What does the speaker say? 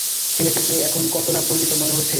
ছেলেটিকে এখন কত-না পরিচিত মনে হচ্ছে।